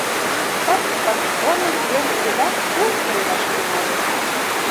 Пырт-пырт койын, пӧрт еда тул коедаш тӱҥалеш.